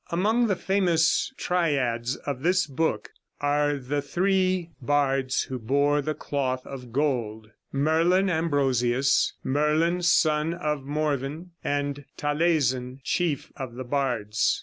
Among the famous triads of this book are: The three bards who bore the cloth of gold, Merlin Ambrosius, Merlin, son of Morvryn, and Taleisin, chief of the bards.